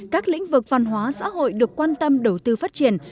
các lĩnh vực văn hóa xã hội được quan tâm đầu tư phát triển